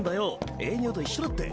営業と一緒だって。